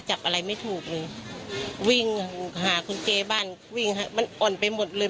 จับอะไรไม่ถูกเลยวิ่งหากุญแจบ้านวิ่งฮะมันอ่อนไปหมดเลย